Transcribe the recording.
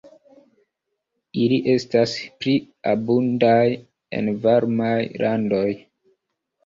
Ili estas pli abundaj en varmaj landoj.